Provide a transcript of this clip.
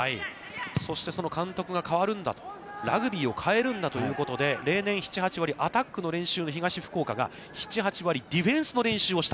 そして、その監督が変わるんだと、ラグビーを変えるんだということで、例年７８割、アタックの練習の東福岡が７８割ディフェンスの練習をした。